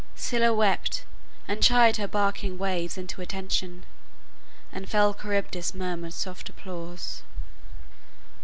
Scylla wept, And chid her barking waves into attention, And fell Charybdis murmured soft applause."